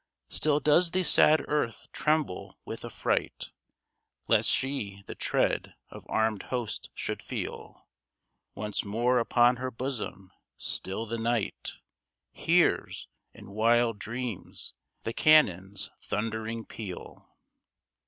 Still does the sad Earth tremble with affright, Lest she the tread of armed hosts should feel Once more upon her bosom. Still the Night Hears, in wild dreams, the cannon's thundering peal.